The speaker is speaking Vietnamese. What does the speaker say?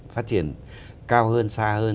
phát triển cao hơn xa hơn